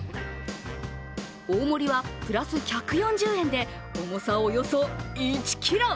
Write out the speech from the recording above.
大盛りはプラス１４０円で重さおよそ１ｋｇ。